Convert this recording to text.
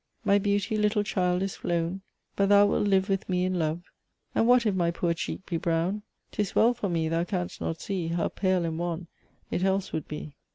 My beauty, little child, is flown, But thou wilt live with me in love; And what if my poor cheek be brown? 'Tis well for me, thou canst not see How pale and wan it else would be."